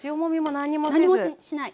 何にもしない。